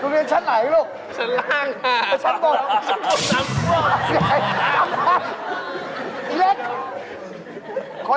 มาทั้งค่า